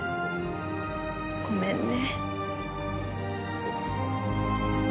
ごめんね。